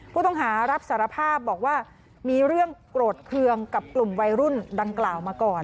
ผู้ต้องหารับสารภาพบอกว่ามีเรื่องโกรธเคืองกับกลุ่มวัยรุ่นดังกล่าวมาก่อน